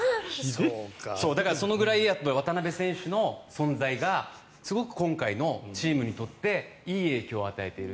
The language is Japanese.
だから、そのぐらい渡邊選手の存在がすごく今回のチームにとっていい影響を与えている。